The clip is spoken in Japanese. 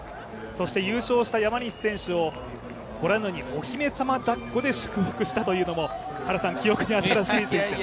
そして、優勝した山西選手をご覧のようにお姫様だっこで祝福したというのも記憶に新しい選手です。